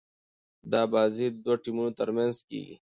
دا بازي د دوه ټيمونو تر منځ کیږي.